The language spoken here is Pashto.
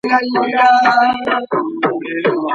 د لیکلو پر مهال سمه ناسته اړینه ده.